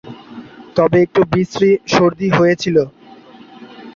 তবে একটু বিশ্রী সর্দি হয়েছিল।